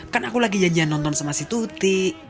kan aku lagi janjian nonton sama si tuti